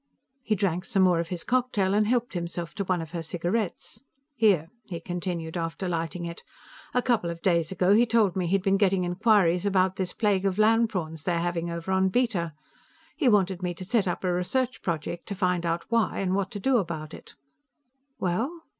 He drank some more of his cocktail and helped himself to one of her cigarettes. "Here," he continued, after lighting it. "A couple of days ago, he told me he'd been getting inquiries about this plague of land prawns they're having over on Beta. He wanted me to set up a research project to find out why and what to do about it." "Well?"